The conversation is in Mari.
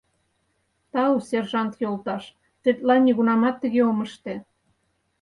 — Тау, сержант йолташ, тетла нигунамат тыге ом ыште...